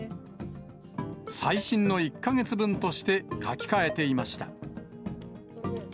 最新の１か月分として書き換えていました。